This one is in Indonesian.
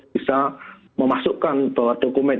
bisa memasukkan bahwa dokumen